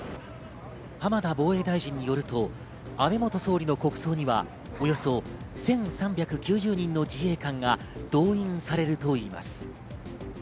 浜田防衛大臣によると、安倍元総理の国葬にはおよそ１３９０人の自衛官が動員されるといいます。